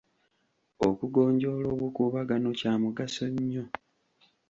Okugonjoola obukuubagano kya mugaso nnyo.